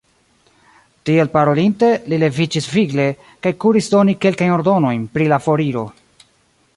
Tiel parolinte, li leviĝis vigle, kaj kuris doni kelkajn ordonojn pri la foriro.